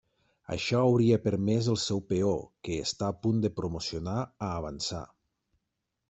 Això hauria permès el seu peó, que està a punt de promocionar, a avançar.